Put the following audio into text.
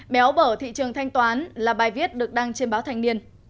béo bở thị trường thanh toán là bài viết được đăng trên báo thành niên